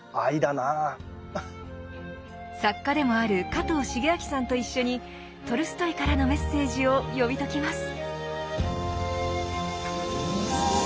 作家でもある加藤シゲアキさんと一緒にトルストイからのメッセージを読み解きます。